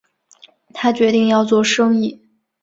他决定要做生意